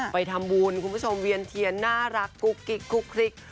ไปทำบุญคุณผู้ชมเวียนเทียนน่ารักกุ๊กกิ๊กกุ๊กคลิก